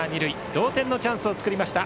同点のチャンスを作りました。